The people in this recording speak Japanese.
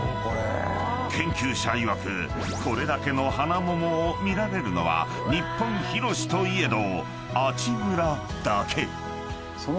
［研究者いわくこれだけの花桃を見られるのは日本広しといえど阿智村だけ］